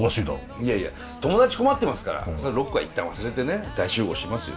いやいや友達困ってますからロックは一旦忘れてね大集合しますよ